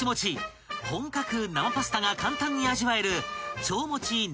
［本格生パスタが簡単に味わえる］